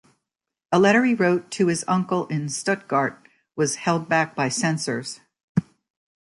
A letter he wrote to his uncle, in Stuttgart, was held back by censors.